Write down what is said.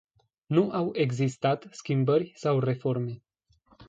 Nu au existat schimbări sau reforme.